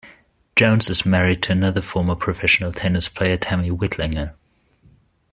Jones is married to another former professional tennis player, Tami Whitlinger.